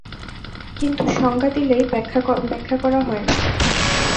কিন্তু সংজ্ঞা দিলেই ব্যাখ্যা করা হয় না।